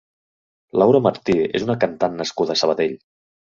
Laura Martí és una cantant nascuda a Sabadell.